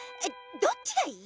どっちがいい？